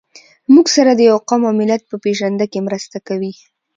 موږ سره د يوه قوم او ملت په پېژنده کې مرسته کوي.